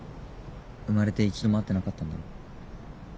生まれて一度も会ってなかったんだろ。